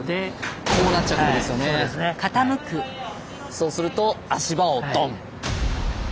そうすると足場をドン。